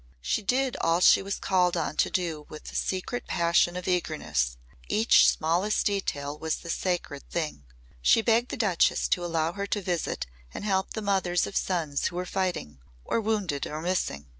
She did all she was called on to do with a secret passion of eagerness; each smallest detail was the sacred thing. She begged the Duchess to allow her to visit and help the mothers of sons who were fighting or wounded or missing.